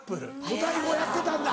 ５対５やってたんだ。